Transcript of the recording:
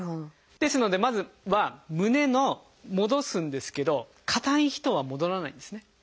ですのでまずは胸の戻すんですけど硬い人は戻らないんですね。